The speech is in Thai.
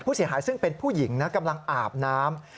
ผู้เสียหายซึ่งเป็นผู้หญิงนะกำลังอาบน้ำ